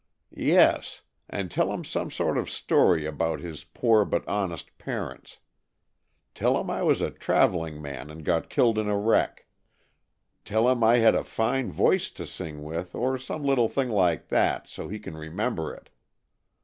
"Yes! And tell him some sort of story about his poor but honest parents. Tell him I was a traveling man and got killed in a wreck. Tell him I had a fine voice to sing with, or some little thing like that, so he can remember it.